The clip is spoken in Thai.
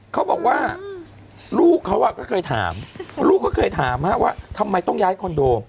เขาบอกว่าลูกเขาก็เคยถามลูกก็เคยถามว่าทำไมต้องย้ายคอนโด